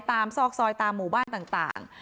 ซอกซอยตามหมู่บ้านต่าง